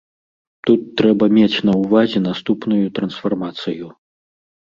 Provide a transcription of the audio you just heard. Тут трэба мець на ўвазе наступную трансфармацыю.